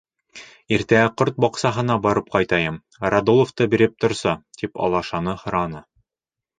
Иртәгә ҡорт баҡсаһына барып ҡайтайым, Радуловты биреп торсо, тип алашаны һораны.